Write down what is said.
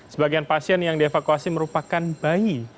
sebagian pasien yang dievakuasi merupakan bayi